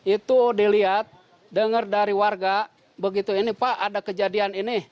itu dilihat dengar dari warga begitu ini pak ada kejadian ini